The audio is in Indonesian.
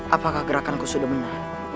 apakah gerakan ku sudah benar